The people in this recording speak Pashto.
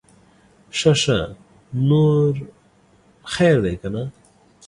ښه ښه, نور خير دے که نه؟